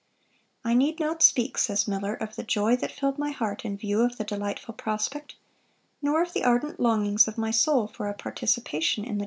"I need not speak," says Miller, "of the joy that filled my heart in view of the delightful prospect, nor of the ardent longings of my soul for a participation in the joys of the redeemed.